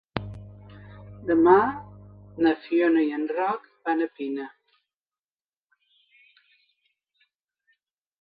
Demà na Fiona i en Roc van a Pina.